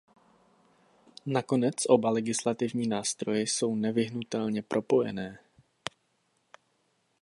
Nakonec oba legislativní nástroje jsou spolu nevyhnutelně propojené.